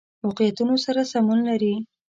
واقعیتونو سره سمون لري.